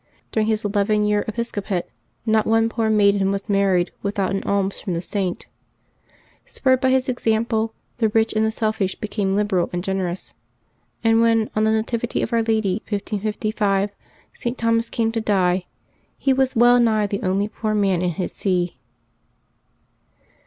During his eleven years' episcopate not one poor maiden was married without an alms from the Saint. Spurred by his example, the rich and the selfish became liberal and generous; and when, on the Nativity of Our Lady, 1555, St. Thomas came to die, he was well nigh the only poor man in his see.